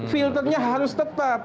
filternya harus tetap